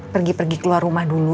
pergi pergi keluar rumah dulu